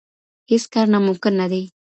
هيڅ کار ناممکن نه دی.